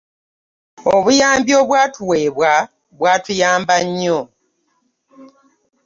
Obuyambi obwatuweebwa bwatuyamba nnyo.